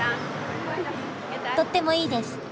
とってもいいです。